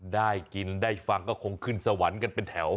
ได้กินได้ฟังก็คงขึ้นสวรรค์กันเป็นแถว